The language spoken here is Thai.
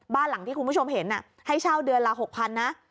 บ้านหลังที่คุณผู้ชมเห็นให้เช่าเดือนละ๖๐๐๐นะ